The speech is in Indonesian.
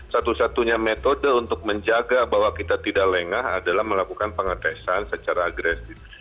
satu satunya metode untuk menjaga bahwa kita tidak lengah adalah melakukan pengetesan secara agresif